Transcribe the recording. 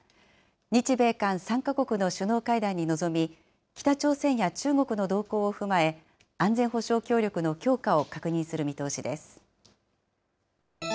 日米韓３か国の首脳会談に臨み、北朝鮮や中国の動向を踏まえ、安全保障協力の強化を確認する見通しです。